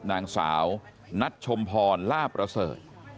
นางสาวนัทชมพรล่าประเสริฐ